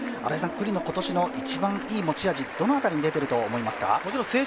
九里の今年の一番いい持ち味、どの辺りに出てると思いますか？